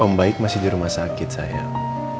om baik masih di rumah sakit sayang